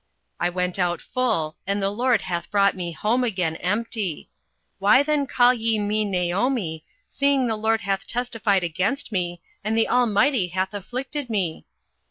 08:001:021 I went out full and the LORD hath brought me home again empty: why then call ye me Naomi, seeing the LORD hath testified against me, and the Almighty hath afflicted me?